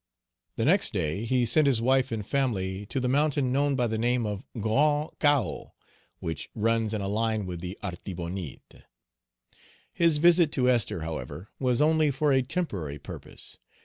The next day he sent his wife and family to the mountain known by the name of Grand Cahos, which runs in a line with the Artibonite. His visit to Esther, however, was only for a temporary purpose.